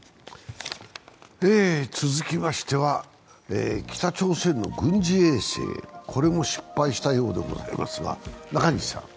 続きましては北朝鮮の軍事衛星、これも失敗したようでございますが。